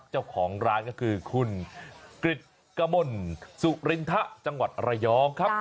เจ้าของร้านก็คือคุณกริจกมลสุรินทะจังหวัดระยองครับ